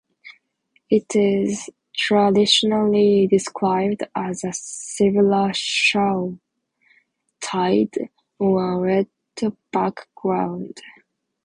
It is traditionally described as a silver shawl, tied, on a red background.